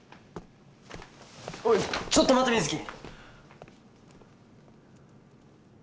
おいちょっと待て水城！